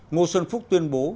ngô xuân phúc tuyên bố